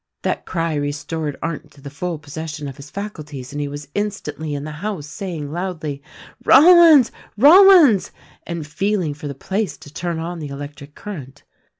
That cry restored Arndt to the full possession of his faculties and he was instantly in the house saying loudly, "Rollins! Rollins!" and feeling for the place to turn on the electric current.